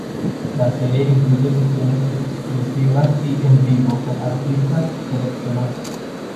La serie incluye sesiones exclusivas y en vivo con artistas seleccionados.